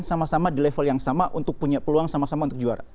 sama sama di level yang sama untuk punya peluang sama sama untuk juara